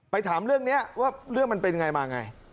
ไปถามเรื่องนี้ว่าเรื่องทำได้ยังไง